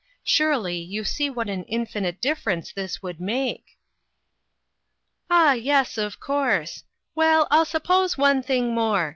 Surely, you see what an infinite difference this would make." 33$ INTERRUPTED. " Ah, yes, of course. Well, I'll suppose one thing more.